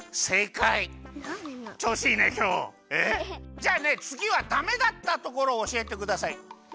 じゃあねつぎはダメだったところをおしえてください。